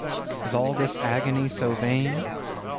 is all this agony so vain?